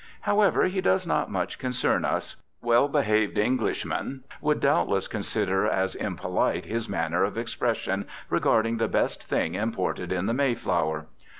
However, he does not much concern us. Well behaved Englishmen would doubtless consider as impolite his manner of expression regarding the "best thing imported in the Mayflower."